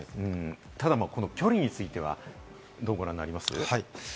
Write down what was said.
ただ距離についてはどうご覧になりますか？